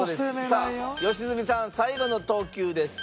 さあ良純さん最後の投球です。